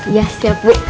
iya siap bu